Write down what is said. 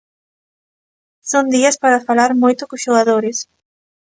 Son días para falar moito cos xogadores.